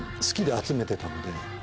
好きで集めてたので。